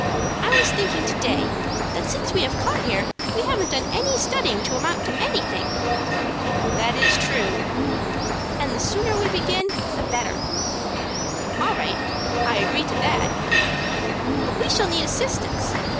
I was thinking to day that since we have come here we haven't done any studying to amount to anything." "That is true." "And the sooner we begin the better." "All right. I agree to that." "But we shall need assistance.